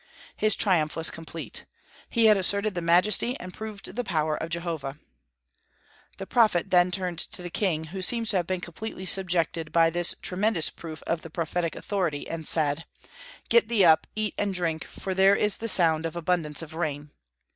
His triumph was complete. He had asserted the majesty and proved the power of Jehovah. The prophet then turned to the king, who seems to have been completely subjected by this tremendous proof of the prophetic authority, and said: "Get thee up, eat and drink, for there is the sound of abundance of rain."